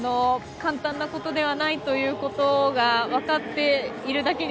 簡単なことではないということが分かっているだけに